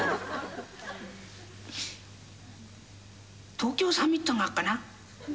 東京サミットがあっかな？